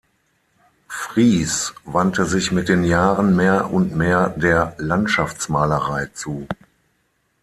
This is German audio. Fries wandte sich mit den Jahren mehr und mehr der Landschaftsmalerei zu.